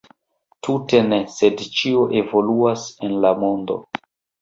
Tute ne, sed ĉio evoluas en la mondo!